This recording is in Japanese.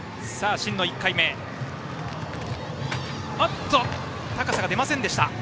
真野、１回目高さが出ませんでした。